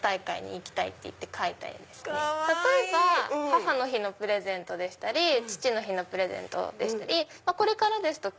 母の日のプレゼントでしたり父の日のプレゼントでしたりこれからですと